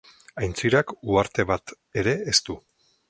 Aintzirak uharte bat ere ez du.